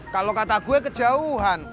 kalau kata gue kejauhan